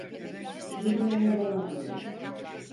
Yürümeye devam edin.